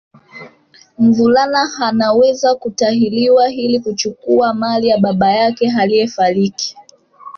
Mvulana Anaweza kutahiriwa ili kuchukua mali ya baba yake aliyefariki